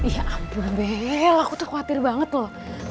ya ampun behe aku tuh khawatir banget loh